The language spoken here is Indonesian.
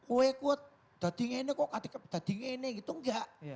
wekot dati ngenek kok dati ngenek gitu enggak